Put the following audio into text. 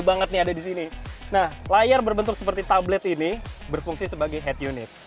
banget nih ada di sini nah layar berbentuk seperti tablet ini berfungsi sebagai head unit